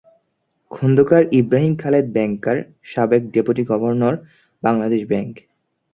Khondakar Ibrahim Khaled banker, সাবেক deputy governor, Bangladesh bank.